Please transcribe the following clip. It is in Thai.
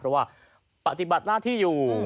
เพราะว่าปฏิบัติหน้าที่อยู่